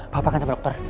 bapak akan sampai dokter